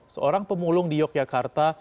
seorang pemulung di yogyakarta